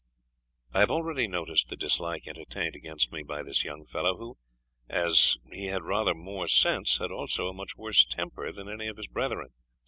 I have already noticed the dislike entertained against me by this young fellow, who, as he had rather more sense, had also a much worse temper, than any of his brethren.